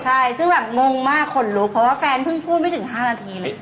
ใช่ซึ่งแบบงงมากขนลุกเพราะว่าแฟนเพิ่งพูดไม่ถึง๕นาทีเลย